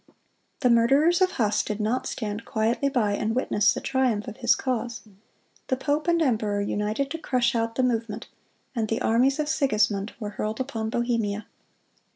The murderers of Huss did not stand quietly by and witness the triumph of his cause. The pope and the emperor united to crush out the movement, and the armies of Sigismund were hurled upon Bohemia.